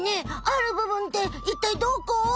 「ある部分」っていったいどこ？